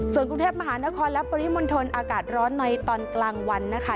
ส่วนกรุงเทพมหานครและปริมณฑลอากาศร้อนในตอนกลางวันนะคะ